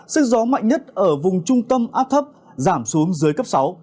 sức gió mạnh nhất ở vùng trung tâm áp thấp giảm xuống dưới cấp sáu